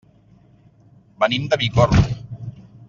Venim de Bicorb.